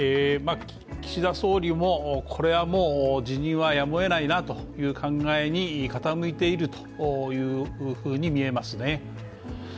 岸田総理もこれはもう辞任はやむをえないなという考えに傾いていると見えますね。